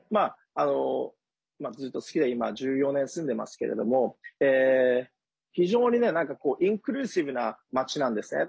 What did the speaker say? ずっと好きで今１４年住んでますけれども非常にインクルーシブな街なんですね。